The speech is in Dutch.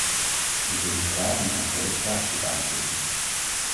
Ik wil hier graag een concreet vraagstuk aanstippen.